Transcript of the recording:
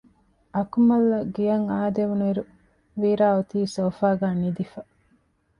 އަކުމަލްއަށް ގެއަށް އާދެވުނުއިރު ވީރާ އޮތީ ސޯފާގައި ނިދިފަ